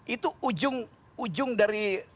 itu ujung dari